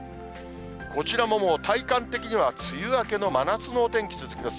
こちらももう体感的には梅雨明けの真夏のお天気続きます。